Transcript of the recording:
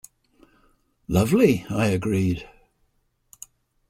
"Lovely," I agreed.